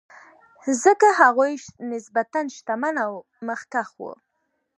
ځکه هغوی نسبتا شتمن او مخکښ وو.